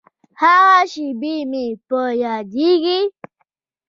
هغه شېبې مې په یادیږي.